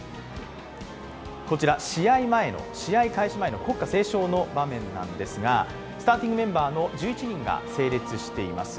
こちら、試合開始前の国歌斉唱の場面なんですがスターティングメンバーの１１人が整列しています。